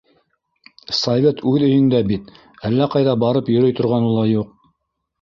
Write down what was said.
Совет үҙ өйөңдә бит, әллә ҡайҙа барып йөрөй торғаны ла юҡ.